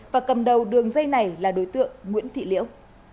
và cầm đầu đường dây này là đối tượng nguyễn thị liễu